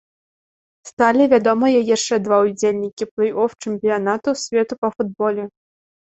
Сталі вядомыя яшчэ два ўдзельнікі плэй-оф чэмпіянату свету па футболе.